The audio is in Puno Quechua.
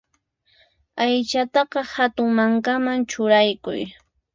Aychataqa hatun mankaman churaykuy.